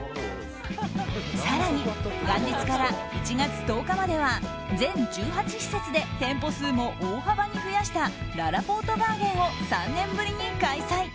更に、元日から１月１０日までは全１８施設で店舗数も大幅に増やしたららぽーとバーゲンを３年ぶりに開催。